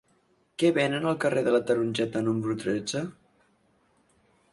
Què venen al carrer de la Tarongeta número tretze?